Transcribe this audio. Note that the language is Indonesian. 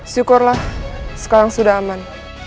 syukurlah sekarang sudah aman